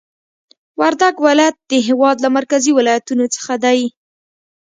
وردګ ولایت د هېواد له مرکزي ولایتونو څخه دی